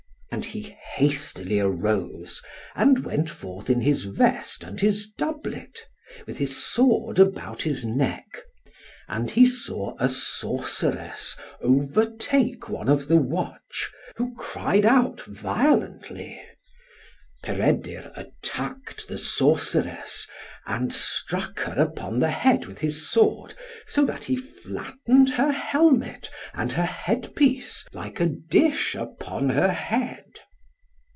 And he hastily arose, and went forth in his vest and his doublet, with his sword about his neck, and he saw a sorceress overtake one of the watch, who cried out violently. Peredur attacked the sorceress, and struck her upon the head with his sword, so that he flattened her helmet and her headpiece like a dish upon her head.